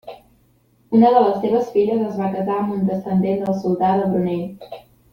Una de les seves filles es va casar amb un descendent del soldà de Brunei.